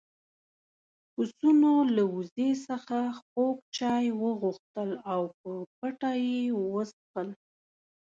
پسونو له وزې څخه خوږ چای وغوښتل او په پټه يې وڅښل.